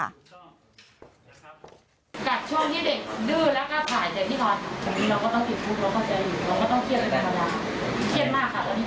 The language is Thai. นี่เนี่ยฟังไว้ไม่ได้มาเครียดว่าเด็กแดนละบัดเจ็บแล้ว